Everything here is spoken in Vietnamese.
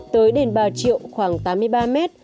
tới đền bà triệu khoảng tám mươi ba m